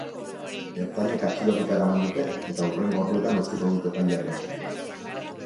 Ertzainek atxilotuta eraman dute, eta hurrengo orduetan utziko dute epailearen esku.